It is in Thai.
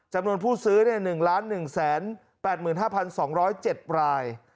จำนวนผู้ซื้อ๑๑๘๕๒๐๗ราย